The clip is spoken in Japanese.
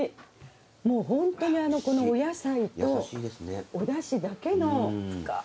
もうホントにこのお野菜とおだしだけの深いお味ですね。